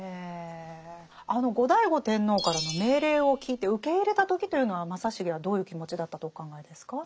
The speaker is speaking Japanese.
あの後醍醐天皇からの命令を聞いて受け入れた時というのは正成はどういう気持ちだったとお考えですか？